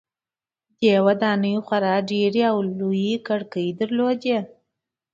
دې ودانیو خورا ډیرې او لویې کړکۍ درلودې.